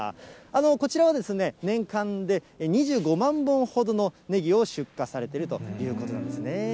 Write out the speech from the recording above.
こちらは年間で２５万本ほどのねぎを出荷されているということなんですね。